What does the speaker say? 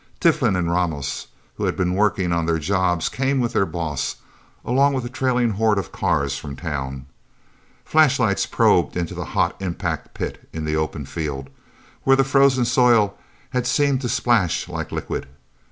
Tiflin and Ramos, who had been working on their jobs, came with their boss, along with a trailing horde of cars from town. Flashlights probed into the hot impact pit in the open field, where the frozen soil had seemed to splash like a liquid.